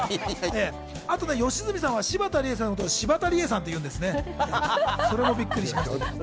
あと良純さんは柴田理恵さんのことをシバタリエさんと言うんですね。